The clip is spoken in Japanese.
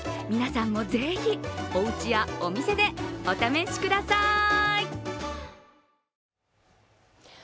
皆さんもぜひ、おうちやお店でお試しください。